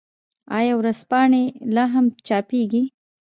آیا ورځپاڼې لا هم چاپيږي؟